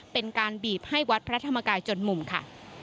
เป็นการบีบให้วัดพระธรรมกายจนมุมค่ะ